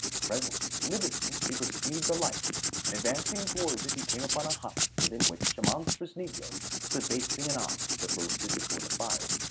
Presently in the distance he perceived a light, and advancing towards it he came upon a hut within which a monstrous negro stood basting an ox that roasted before the fire.